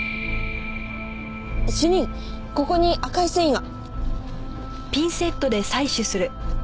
主任ここに赤い繊維が。